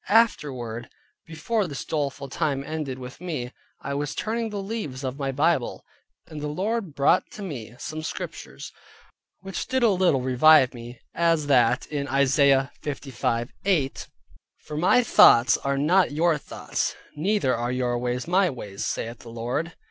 Afterward, before this doleful time ended with me, I was turning the leaves of my Bible, and the Lord brought to me some Scriptures, which did a little revive me, as that [in] Isaiah 55.8: "For my thoughts are not your thoughts, neither are your ways my ways, saith the Lord."